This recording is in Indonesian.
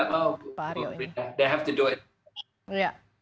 mereka harus melakukannya